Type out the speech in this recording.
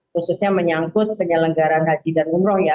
khususnya menyangkut penyelenggaran haji dan umroh ya